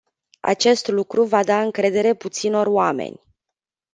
Acest lucru va da încredere puținor oameni.